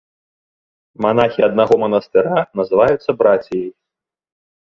Манахі аднаго манастыра называюцца браціяй.